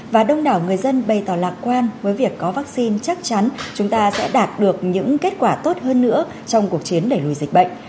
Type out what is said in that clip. và đông đảo người dân bày tỏ lạc quan với việc có vaccine chắc chắn chúng ta sẽ đạt được những kết quả tốt hơn nữa trong cuộc chiến đẩy lùi dịch bệnh